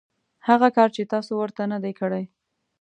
هغه کار چې تاسو ورته نه دی کړی .